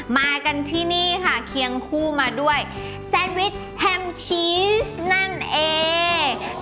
มากันที่นี่ค่ะเคียงคู่มาด้วยแซนวิชแฮมชีสนั่นเอง